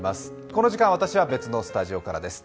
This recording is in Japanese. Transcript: この時間、私は別のスタジオからです。